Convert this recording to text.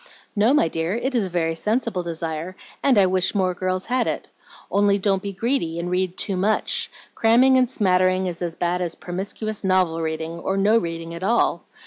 "No, my dear, it is a very sensible desire, and I wish more girls had it. Only don't be greedy, and read too much; cramming and smattering is as bad as promiscuous novel reading, or no reading at all.